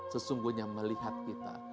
sesungguhnya melihat kita